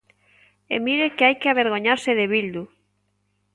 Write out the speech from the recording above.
¡E mire que hai que avergoñarse de Bildu!